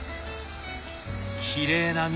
きれいな緑！